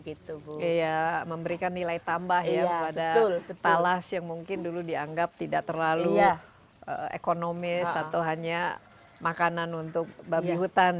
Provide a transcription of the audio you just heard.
iya memberikan nilai tambah ya kepada talas yang mungkin dulu dianggap tidak terlalu ekonomis atau hanya makanan untuk babi hutan